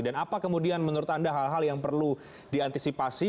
apa kemudian menurut anda hal hal yang perlu diantisipasi